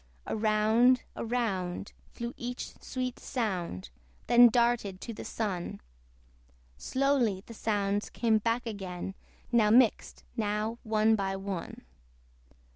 Around, around, flew each sweet sound, Then darted to the Sun; Slowly the sounds came back again, Now mixed, now one by one.